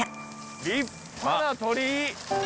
立派な鳥居！